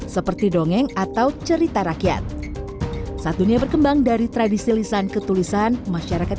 seperti dongeng atau cerita rakyat saat dunia berkembang dari tradisi lisan ketulisan masyarakat